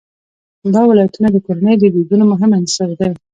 دا ولایتونه د کورنیو د دودونو مهم عنصر دی.